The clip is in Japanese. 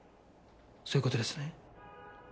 そういう事ですね。